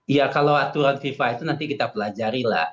iya kalau aturan viva itu nanti kita pelajari lah